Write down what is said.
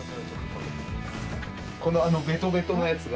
このベトベトのやつが。